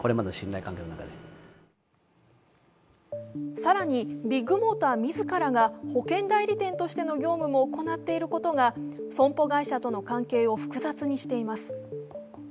更にビッグモーター自らが保険代理店としての業務も行っていることが損保会社との関係を複雑にしています。